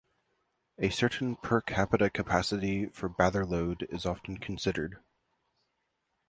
A certain per capita capacity for bather load is often considered.